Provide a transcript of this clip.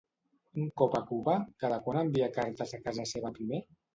Un cop a Cuba, cada quant envia cartes a casa seva primer?